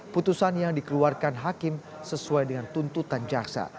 putusan yang dikeluarkan hakim sesuai dengan tuntutan jaksa